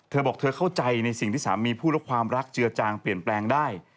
เธอบอกเธอเข้าใจในสิ่งที่สามีพูดและความรักเจือจางเปลี่ยนแปลงได้